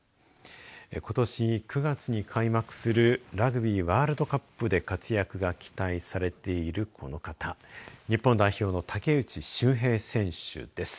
ことし９月に開幕するラグビーワールドカップで活躍が期待されているこの方日本代表の竹内柊平選手です。